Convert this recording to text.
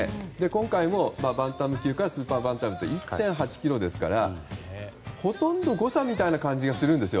今回もバンタム級からスーパーバンタム級で１．８ｋｇですからほとんど誤差みたいな感じがするんですよ